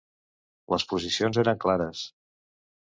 Les posicions eren clares.